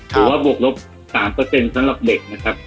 ถือว่าบวกลบ๓สำหรับเด็กนะครับ